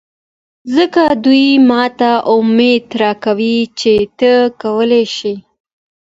ځکه دوي ماته اميد راکوه چې ته کولې شې.